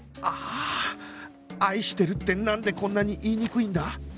ああ「愛してる」ってなんでこんなに言いにくいんだ？